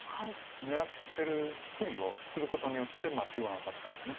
狙ってるふりをすることによって中央の戦いが。